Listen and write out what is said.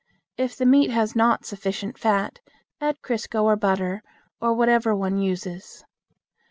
If the meat has not sufficient fat, add crisco or butter, or whatever one uses.